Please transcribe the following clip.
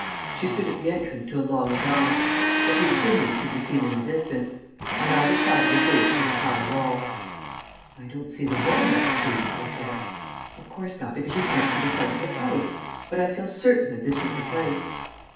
She stood at the entrance to a long drive. A few chimneys could be seen in the distance. On either side of the gates was a high wall. "I don't see the walnut tree," I said. "Of course not, because you can't see the front of the house. But I feel certain that this is the place."